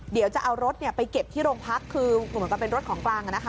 เดี๋ยวจะเอารถไปเก็บที่โรงพักคือเหมือนกับเป็นรถของกลาง